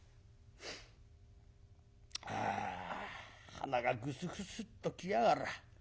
鼻がグスグスっときやがら。